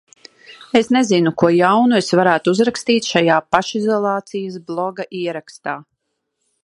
Es nezinu, ko jaunu es varētu uzrakstīt šajā pašizolācijas bloga ierakstā.